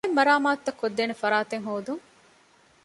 ބައެއް މަރާމާތުތައް ކޮށްދޭނެ ފަރާތެއް ހޯދުން